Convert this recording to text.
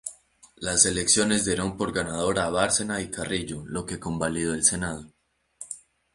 Las elecciones dieron por ganador a Bárcena y Carrillo, lo que convalidó el Senado.